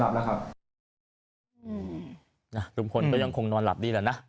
เต้นได้